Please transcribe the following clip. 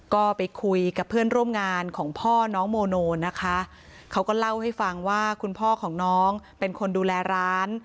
ก็ไปคุยกับเพื่อนร่วมงานของพ่อน้องโมโนนะคะเขาก็เล่าให้ฟังว่าคุณพ่อของน้องเป็นคนดูแลร้าน